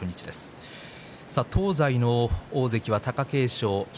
東西の大関は貴景勝霧